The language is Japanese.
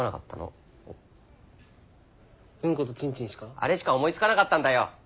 あれしか思い付かなかったんだよ。